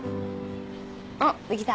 おっできた。